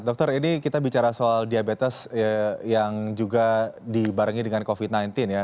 dokter ini kita bicara soal diabetes yang juga dibarengi dengan covid sembilan belas ya